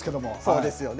そうですよね。